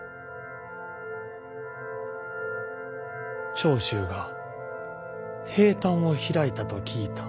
長州が兵端を開いたと聞いた。